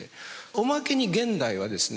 おまけに現代はですね